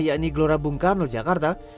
yakni glorabung karno jakarta